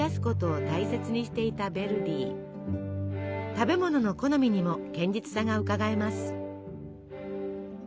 食べ物の好みにも堅実さがうかがえます。